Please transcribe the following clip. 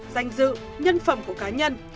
danh dự nhân phẩm của cá nhân